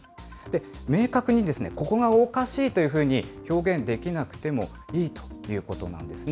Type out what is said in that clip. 明確にここがおかしいというふうに表現できなくてもいいということなんですね。